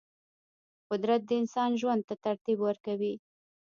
قدرت د انسان ژوند ته ترتیب ورکوي.